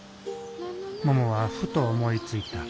ももはふと思いついた。